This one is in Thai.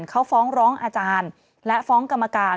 เขาฟ้องร้องอาจารย์และฟ้องกรรมการ